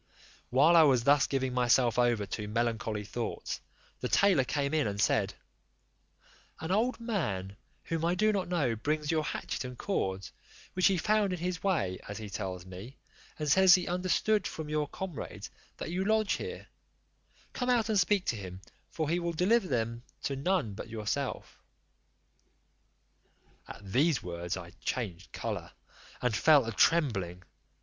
While I was thus giving myself over to melancholy thoughts, the tailor came in and said, "An old man, whom I do not know, brings your hatchet and cords, which he found in his way as he tells me, and says he understood from your comrades that you lodge here; come out and speak to him, for he will deliver them to none but yourself." At these words I changed colour, and fell a trembling.